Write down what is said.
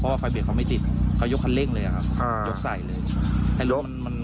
เพราะว่าใครเบรกเขาไม่ติดเขายกคันเร่งเลยครับยกใส่เลย